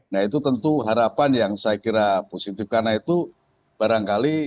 nah itu tentu harapan yang saya kira positif karena itu barangkali